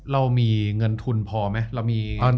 เรามีเงินทุนพอไหม